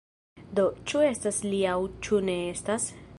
Do, ĉu estas li aŭ ĉu ne estas?